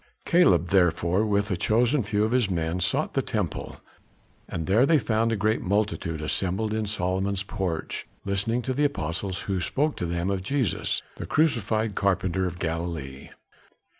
Caleb therefore with a chosen few of his men sought the temple; and there they found a great multitude assembled in Solomon's porch, listening to the apostles who spoke to them of Jesus, the crucified carpenter of Galilee.